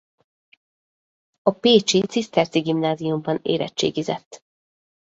A pécsi ciszterci gimnáziumban érettségizett.